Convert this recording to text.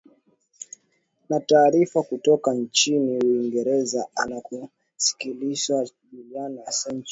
na taarifa kutoka nchini uingereza anakoshikiliwa juliana asanch